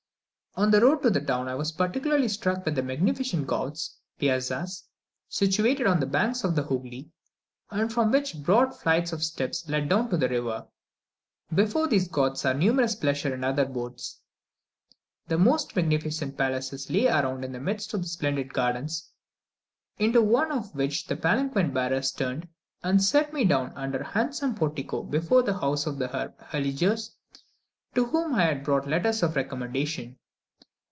On the road to the town, I was particularly struck with the magnificent gauths (piazzas), situated on the banks of the Hoogly, and from which broad flights of steps lead down to the river. Before these gauths are numerous pleasure and other boats. The most magnificent palaces lay around in the midst of splendid gardens, into one of which the palanquin bearers turned, and set me down under a handsome portico before the house of Herr Heilgers, to whom I had brought letters of recommendation.